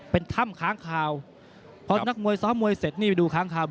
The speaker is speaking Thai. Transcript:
เป็นถ้ำค้างคาวพอนักมวยซ้อมมวยเสร็จนี่ไปดูค้างคาว